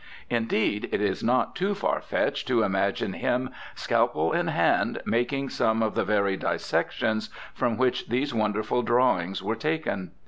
Indeed, it is not too far fetched to imagine him, scalpel in hand, making some of the very dissections from which these wonderful drawings were taken.